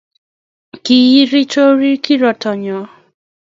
kiiri chorik kirato nyo